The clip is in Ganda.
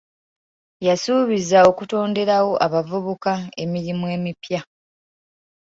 Yasuubiza okutonderawo abavubuka emirimu emipya.